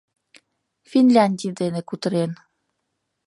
Финляндий дене кутырен.